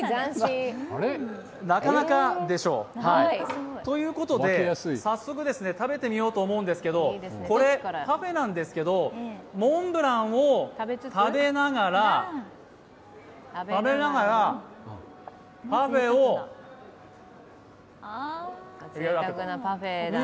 なかなかでしょう。ということで、早速食べてみようと思うんですけど、パフェなんですけど、モンブランを食べながらパフェをいただくと。